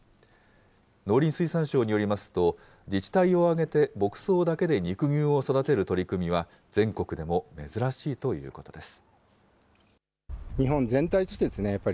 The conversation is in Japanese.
農林水産省によりますと、自治体を挙げて牧草だけで肉牛を育てる取り組みは、全国でも珍しいということです。